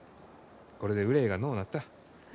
これで憂いがのうなった。